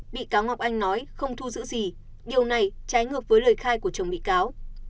bị cáo ngọc anh nói không thu giữ gì điều này trái ngược với lời khai của chồng bị cáo